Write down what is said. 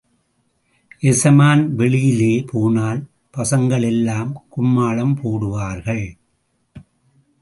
எசமான் வெளிலே போனால் பசங்கள் எல்லாம் கும்மாளம் போடுவார்கள்.